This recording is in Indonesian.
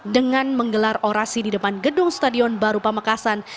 dengan menggelar orasi di depan gedung stadion baru pamekasan